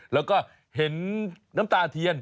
แล้วก็เห็นน้ำตาเทียน